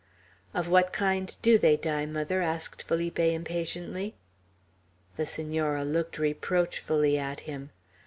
"Of what kind do they die, mother?" asked Felipe, impatiently. The Senora looked reproachfully at him.